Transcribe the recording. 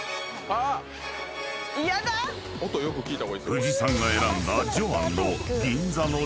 ［藤さんが選んだ］